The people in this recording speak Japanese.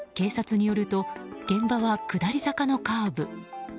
警察によると現場は下り坂のカーブ。